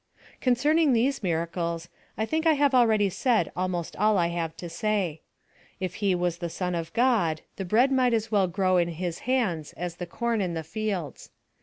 Concerning these miracles, I think I have already said almost all I have to say. If he was the Son of God, the bread might as well grow in his hands as the corn in the fields.